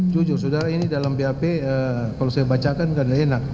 jujur saudara ini dalam bap kalau saya bacakan nggak enak